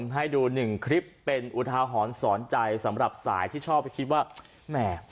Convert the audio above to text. ให้ดูหนึ่งคลิปเป็นอุทาหรณ์สอนใจสำหรับสายที่ชอบไปคิดว่าแหม่